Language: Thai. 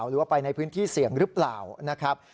หรือว่าไปในพื้นที่เสี่ยงหรือเปล่านะครับ